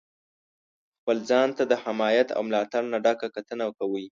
خپل ځان ته د حمایت او ملاتړ نه ډکه کتنه کوئ.